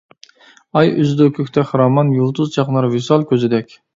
ئاي ئۈزىدۇ كۆكتە خىرامان، يۇلتۇز چاقنار ۋىسال كۆزىدەك.